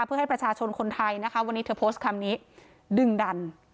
เพื่อให้ประชาชนคนไทยนะคะวันนี้เธอโพสต์คำนี้ดึงดัน